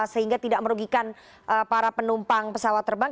sehingga tidak merugikan para penumpang pesawat terbang